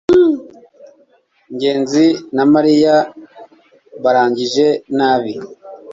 ngenzi na mariya barangije nabi